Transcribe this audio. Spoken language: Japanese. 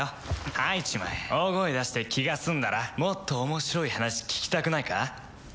吐いちまえ大声出して気が済んだらもっと面白い話聞きたくないか？